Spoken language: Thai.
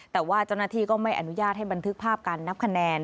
แต่ว่าเจ้าหน้าที่ก็ไม่อนุญาตให้บันทึกภาพการนับคะแนน